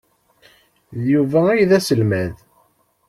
D Yuba ay d aselmad.